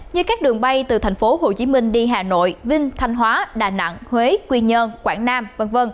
như các đường bay từ thành phố hồ chí minh đi hà nội vinh thanh hóa đà nẵng huế quy nhơn quảng nam v v